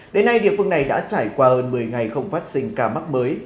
đến nay địa phương này đã trải qua hơn một mươi ngày không phát sinh ca mắc mới